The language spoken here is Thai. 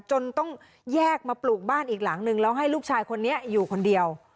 จนต้องแยกมาปลูกบ้านอีกหลังนึงแล้วให้ลูกชายคนนี้อยู่คนเดียว